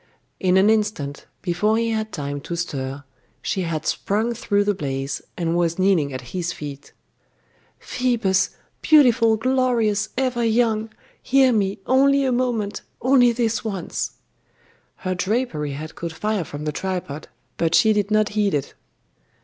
In an instant, before he had time to stir, she had sprung through the blaze, and was kneeling at his feet. 'Phoebus! beautiful, glorious, ever young! Hear me! only a moment! only this once!' Her drapery had caught fire from the tripod, but she did not heed it.